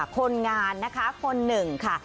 คนงานนะคะคน๑ค่ะ